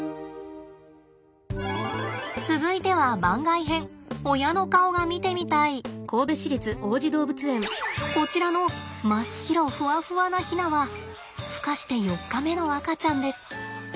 続いては番外編こちらの真っ白ふわふわなヒナはふ化して４日目の赤ちゃんです。